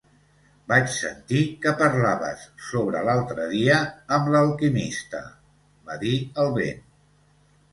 "Vaig sentir que parlaves sobre l'altre dia amb l'alquimista", va dir el vent.